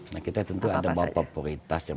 nah kita tentu ada bapak prioritas yang